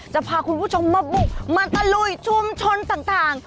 จะพาคุณผู้ชมมาบุกมาตะลุยชุมชนต่าง